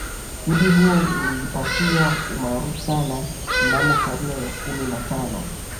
Mji huo ulijipatia umaarufu sana mnamo karne ya kumi na tano